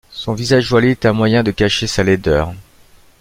Son visage voilé est un moyen de cacher sa laideur.